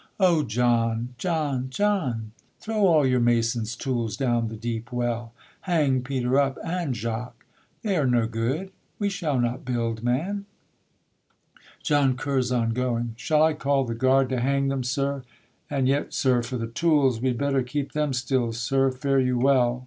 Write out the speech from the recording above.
O! John, John, John! Throw all your mason's tools down the deep well, Hang Peter up and Jacques; They're no good, We shall not build, man. JOHN CURZON (going). Shall I call the guard To hang them, sir? and yet, sir, for the tools, We'd better keep them still; sir, fare you well.